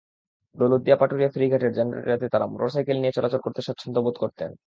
দৌলতদিয়া-পাটুরিয়া ফেরিঘাটের যানজট এড়াতে তাঁরা মোটরসাইকেল নিয়ে চলাচল করতে স্বাচ্ছন্দ্যবোধ করতেন।